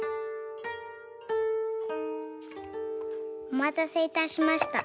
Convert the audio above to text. おまたせいたしました。